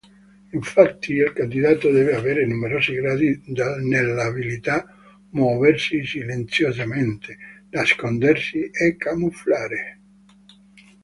Infatti, il candidato deve avere numerosi gradi nelle abilità Muoversi silenziosamente, Nascondersi e Camuffare.